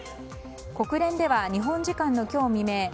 国連では日本時間の未明